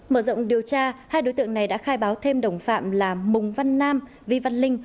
mở rộng điều tra hai đối tượng này đã khai báo thêm đồng phạm là mồng văn nam vi văn linh